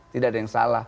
tidak ada yang salah